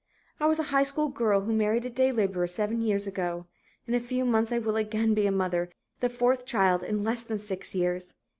"I was a high school girl who married a day laborer seven years ago. In a few months I will again be a mother, the fourth child in less than six years.